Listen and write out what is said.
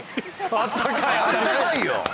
あったかいよ！